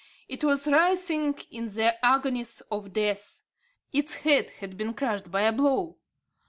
It was writhing in the agonies of death. Its head had been crushed by a blow.